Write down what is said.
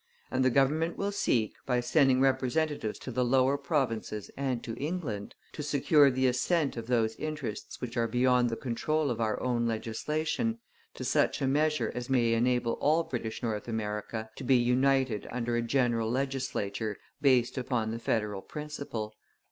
And the Government will seek, by sending representatives to the Lower Provinces and to England, to secure the assent of those interests which are beyond the control of our own legislation to such a measure as may enable all British North America to be united under a General Legislature based upon the federal principle.